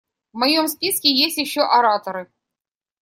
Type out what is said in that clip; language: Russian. В моем списке еще есть ораторы.